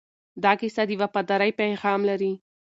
دا کیسه د وفادارۍ پیغام لري.